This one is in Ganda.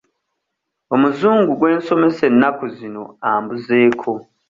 Omuzungu gwe nsomesa ennaku zino ambuzeeko.